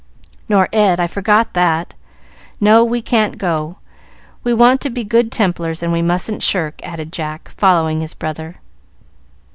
"Nor Ed, I forgot that. No, we can't go. We want to be Good Templars, and we mustn't shirk," added Jack, following his brother.